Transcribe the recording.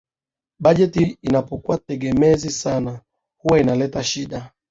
Bajeti inapokuwa tegemezi sana huwa inaleta shida